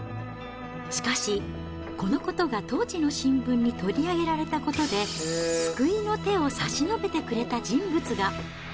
しかし、このことが当時の新聞に取り上げられたことで、救いの手を差し伸べてくれた人物が。